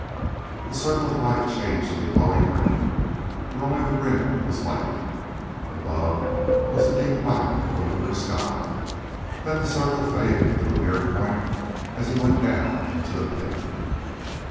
The circle of light changed to a glowing ring, where only the rim was lighted. Above was the deep black of the lunar sky. Then the circle faded to a mere point as he went down into the pit.